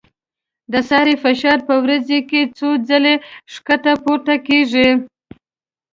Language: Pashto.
د سارې فشار په ورځ کې څو ځله ښکته پورته کېږي.